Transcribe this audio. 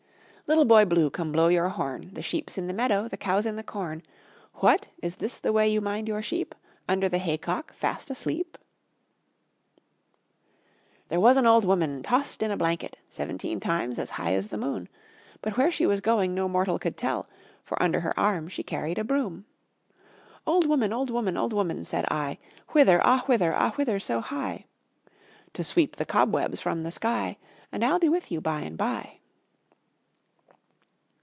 Little Boy Blue, come blow your horn, The sheep's in the meadow, the cow's in the corn. What! Is this the way you mind your sheep, Under the haycock fast asleep? There was an old woman tossed in a blanket Seventeen times as high as the moon; But where she was going no mortal could tell, For under her arm she carried a broom. "Old woman, old woman, old woman," said I, "Whither, ah whither, ah whither so high?" To sweep the cobwebs from the sky, And I'll be with you by and by."